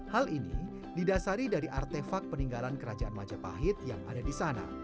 hal ini didasari dari artefak peninggalan kerajaan majapahit yang ada di sana